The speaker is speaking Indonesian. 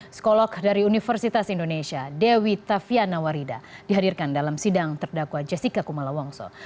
psikolog dari universitas indonesia dewi tafiana warida dihadirkan dalam sidang terdakwa jessica kumalawongso